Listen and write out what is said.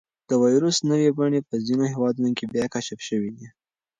د وېروس نوې بڼې په ځینو هېوادونو کې بیا کشف شوي دي.